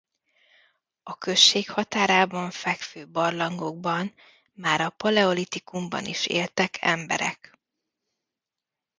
A község határában fekvő barlangokban már a paleolitikumban is éltek emberek.